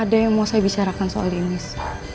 ada yang mau saya bicarakan soal tow air